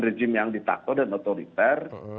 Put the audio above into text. regim yang ditakut dan otoriter